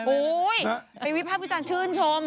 ไปวิภาควิจารณ์ชื่นชม